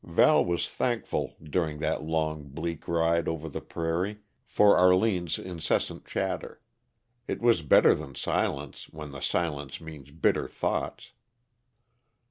Val was thankful, during that long, bleak ride over the prairie, for Arline's incessant chatter. It was better than silence, when the silence means bitter thoughts.